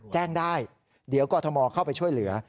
แจ้งได้เดี๋ยวกรทมเข้าไปช่วยเหลือ